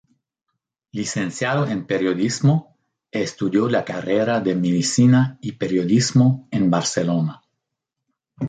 Licenciado en Periodismo, estudió la carrera de Medicina y Periodismo en Barcelona.